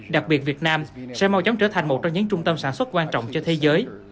đặc biệt việt nam sẽ mau chóng trở thành một trong những trung tâm sản xuất quan trọng cho thế giới